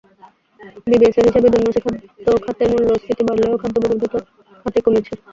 বিবিএসের হিসাবে, জুন মাসে খাদ্য খাতে মূল্যস্ফীতি বাড়লেও খাদ্যবহির্ভূত খাতে কমেছে।